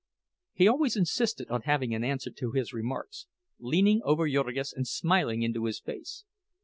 He always insisted on having an answer to his remarks, leaning over Jurgis and smiling into his face.